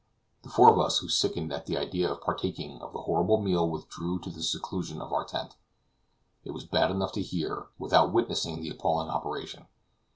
The four of us who sickened at the idea of partaking of the horrid meal withdrew to the seclusion of our tent; it was bad enough to hear, without witnessing the appalling operation.